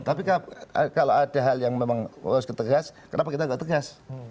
tapi kalau ada hal yang memang harus ketegas kenapa kita nggak tegas